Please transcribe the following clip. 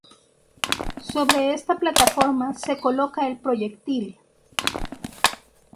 Sobre esta plataforma se coloca el proyectil.